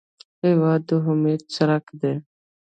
هېواد د امید څرک دی.